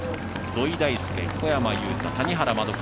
土井大輔、小山裕太谷原先嘉